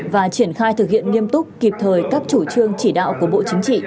và triển khai thực hiện nghiêm túc kịp thời các chủ trương chỉ đạo của bộ chính trị